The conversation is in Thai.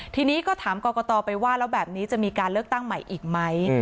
ทีนี้ก็ถามกรกตไปว่าแล้วแบบนี้จะมีการเลือกตั้งใหม่อีกไหม